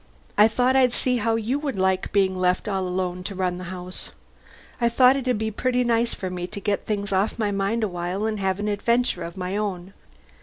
I thought I'd see how you would like being left all alone to run the house. I thought it'd be pretty nice for me to get things off my mind a while and have an adventure of my own.